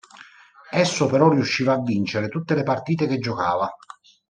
Esso però riusciva a vincere tutte le partite che giocava.